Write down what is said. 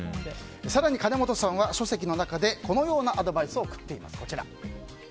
更にかねもとさんは書籍でこのようなアドバイスを送っています。